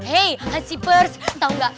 hei si pers tau gak